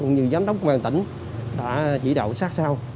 nhiều giám đốc của ban tỉnh đã chỉ đạo sát sao